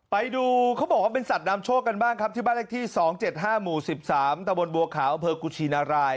ไปดูเขาบอกว่าเป็นสัตว์ดำโชคกันบ้างที่บ้านเลขที่๒๗๕๑๓ตะวนบัวขาวเปอร์กุชินาราย